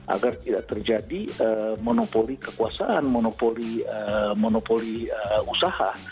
agar tidak terjadi monopoli kekuasaan monopoli usaha